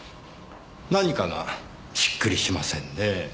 何かがしっくりしませんねぇ。